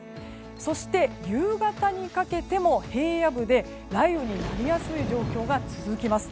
そして、夕方にかけても平野部で雷雨になりやすい状況が続きます。